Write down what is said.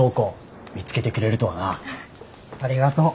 ありがとう。